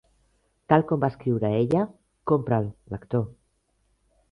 Tal com va escriure ella: Compra'l, lector.